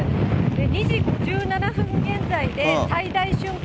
２時１７分現在で最大瞬間